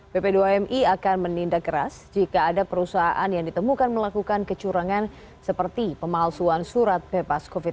pp dua mi akan menindak keras jika ada perusahaan yang ditemukan melakukan kecurangan seperti pemalsuan surat bebas covid sembilan belas